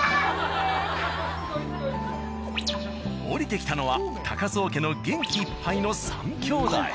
降りてきたのは高相家の元気いっぱいの３兄弟。